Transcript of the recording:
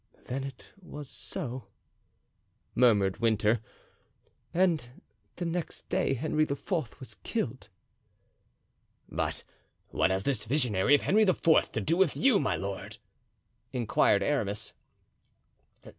"Then it was so," murmured Winter, "and the next day Henry IV. was killed." "But what has this vision of Henry IV. to do with you, my lord?" inquired Aramis.